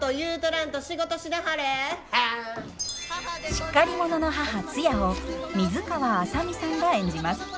しっかり者の母ツヤを水川あさみさんが演じます。